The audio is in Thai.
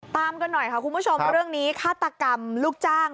ตามกันหน่อยค่ะคุณผู้ชมเรื่องนี้ฆาตกรรมลูกจ้าง